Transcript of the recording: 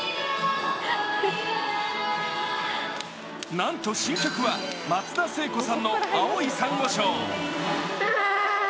なんと、新曲は松田聖子さんの「青い珊瑚礁」